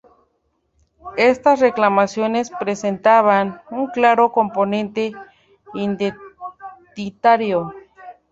Estas reclamaciones presentaban un claro componente identitario.